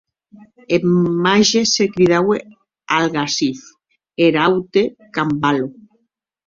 Eth màger se cridaue Algarsif, e er aute, Cambalo.